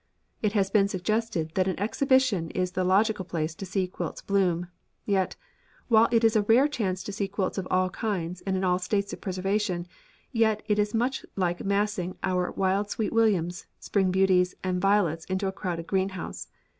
It has been suggested that at an exhibition is the logical place to see quilts bloom. Yet, while it is a rare chance to see quilts of all kinds and in all states of preservation, yet it is much like massing our wild Sweet Williams, Spring Beauties, and Violets in a crowded greenhouse.